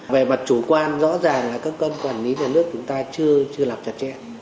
về mặt chủ quan rõ ràng là các cơ quan quản lý nhà nước chúng ta chưa lập chặt chẽ